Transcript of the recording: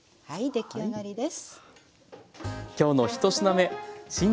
出来上がりです。